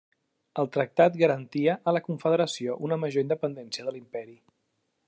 El tractat garantia a la Confederació una major independència de l'imperi.